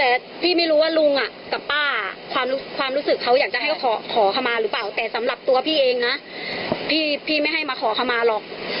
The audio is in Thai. แต่พี่ไม่รู้ว่าลุงกับป้าความรู้สึกเขาอยากจะให้เขาขอขมาหรือเปล่าแต่สำหรับตัวพี่เองนะพี่ไม่ให้มาขอขมาหรอก